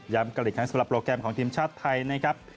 การอีกครั้งสำหรับโปรแกรมของทีมชาติไทยนะครับ